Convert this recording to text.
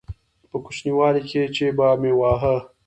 په کوچنيوالي کښې چې به مې واهه.